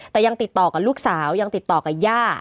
แต่ยังติดต่อกับลูกสาวยังติดต่อกับย่า